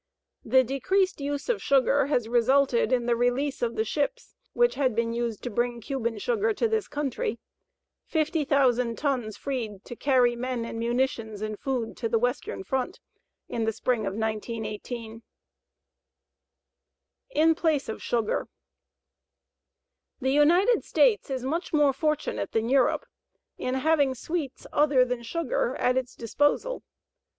The decreased use of sugar has resulted in the release of the ships which had been used to bring Cuban sugar to this country 50,000 tons freed to carry men and munitions and food to the Western front in the spring of 1918. IN PLACE OF SUGAR The United States is much more fortunate than Europe in having sweets other than sugar at its disposal.